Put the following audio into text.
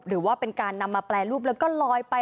หรือว่าเป็นการนำมาแปรรูปแล้วก็ลอยไป